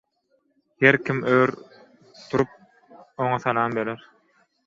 Her kim ör turup oňa salam berer.